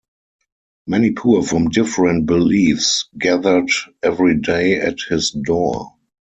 Many poor from different beliefs gathered every day at his door.